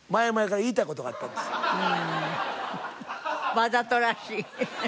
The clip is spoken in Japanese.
わざとらしい。